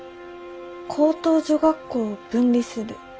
「高等女学校を分離する」。